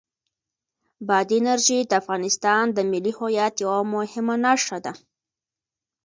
بادي انرژي د افغانستان د ملي هویت یوه مهمه نښه ده.